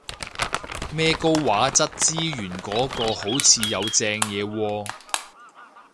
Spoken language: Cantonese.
咩高畫質資源嗰個好似有正嘢喎